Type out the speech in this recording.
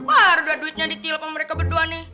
bar udah duitnya di tilpang mereka berdua nih